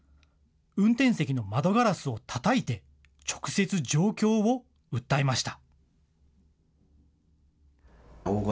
運転席の窓ガラスをたたいて、直接状況を訴えました。